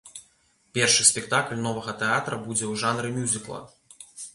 Першы спектакль новага тэатра будзе ў жанры мюзікла.